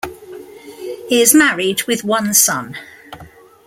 He is married with one son.